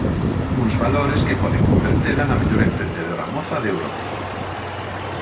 Uns valores que poden convertela na mellor emprendedora moza de Europa.